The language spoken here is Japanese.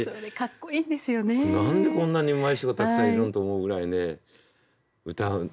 何でこんなにうまい人がたくさんいるんだと思うぐらいね歌。